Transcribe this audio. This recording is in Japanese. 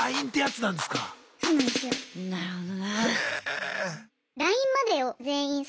なるほどね。